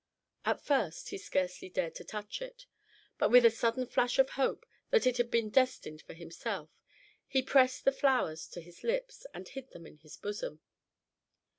At first he scarcely dared to touch it; but with a sudden flash of hope that it had been destined for himself, he pressed the flowers to his lips, and hid them in his bosom.